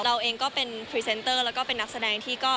เราเองก็เป็นพรีเซนเตอร์แล้วก็เป็นนักแสดงที่ก็